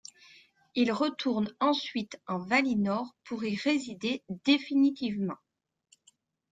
Ils retournent ensuite en Valinor pour y résider définitivement.